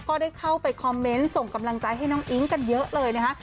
ก็ได้เข้าไปคอมเมนต์ส่งกำลังใจให้น้องอิ๊งกันเยอะเลยนะคะ